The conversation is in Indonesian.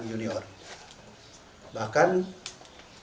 sehingga tidak ada lagi istilah